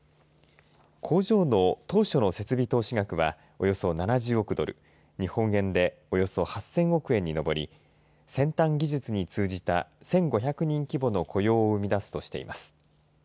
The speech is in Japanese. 工場の当初の設備投資額はおよそ７０億ドル日本円でおよそ８０００億円に上り先端技術に通じた１５００人規模の雇用も生み出すとしています。